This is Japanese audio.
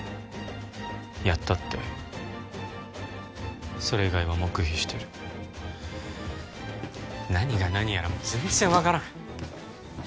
やったってそれ以外は黙秘してる何が何やら全然分からん